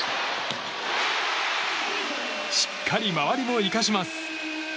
しっかり周りも生かします。